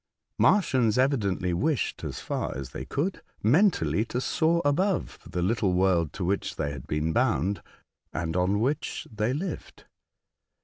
The Martians evidently wished, as far as they could, mentally to soar above the little world to which they had been bound, and on which they lived.